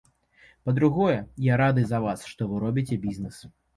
Па-другое, я рады за вас, што вы робіце бізнэс.